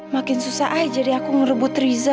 makin susah aja deh aku ngerebut riza